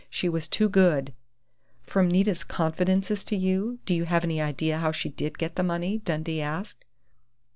She was too good " "From Nita's confidences to you, do you have any idea how she did get the money?" Dundee asked.